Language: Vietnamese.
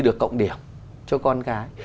được cộng điểm cho con gái